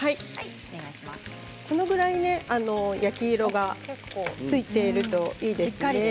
これぐらい焼き色がついているといいですね。